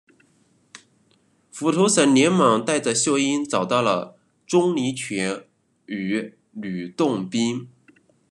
斧头神连忙带着秀英找到了钟离权与吕洞宾。